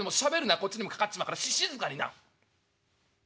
こっちにも掛かっちまうから静かにな」。